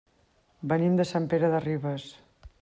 Venim de Sant Pere de Ribes.